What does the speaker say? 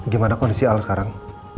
gimana kondisi al sekarang